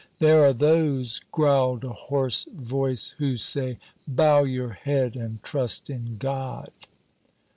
'" "There are those," growled a hoarse voice, "who say, 'Bow your head and trust in God!'"